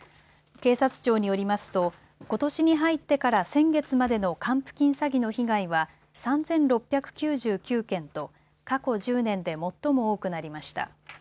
警察庁によりますとことしに入ってから先月までの還付金詐欺の被害は３６９９件と過去１０年で最も多くなりました。